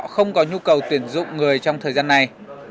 không có nhu cầu tuyển dụng người trong thời gian này